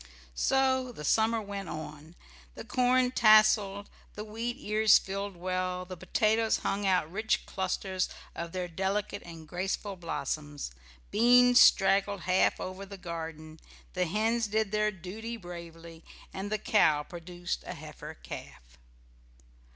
So the summer went on. The corn tasselled, the wheat ears filled well, the potatoes hung out rich clusters of their delicate and graceful blossoms, beans straggled half over the garden, the hens did their duty bravely, and the cow produced a heifer calf.